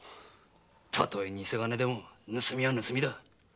たとえ偽金でも盗みは盗みだ。